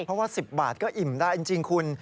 เพราะว่า๑๐บาทก็อิ่มได้จริงคุณ